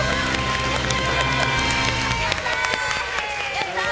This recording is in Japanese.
やったー！